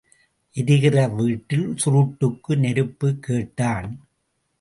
எரிகிற வீட்டில் சுருட்டுக்கு நெருப்புக் கேட்டான்.